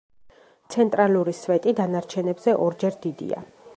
ცენტრალური სვეტი დანარჩენებზე ორჯერ დიდია.